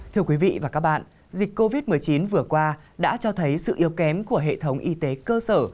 thưa quý vị và các bạn dịch covid một mươi chín vừa qua đã cho thấy sự yêu kém của hệ thống y tế cơ sở